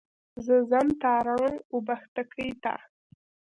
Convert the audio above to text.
زه ځم تارڼ اوبښتکۍ ته.